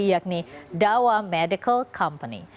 yakni dawa medical company